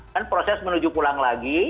dan proses menuju pulang lagi